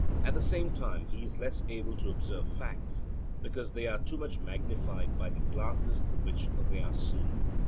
At the same time he is less able to observe facts, because they are too much magnified by the glasses through which they are seen.